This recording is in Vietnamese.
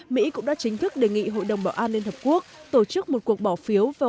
mỹ cũng đã chính thức đề nghị hội đồng bảo an liên hợp quốc tổ chức một cuộc bỏ phiếu vào